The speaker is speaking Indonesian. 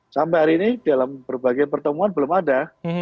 sampai hari ini dalam berbagai pertemuan belum ada